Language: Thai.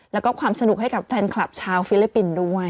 แล้วก็ความสนุกให้กับแฟนคลับชาวฟิลิปปินส์ด้วย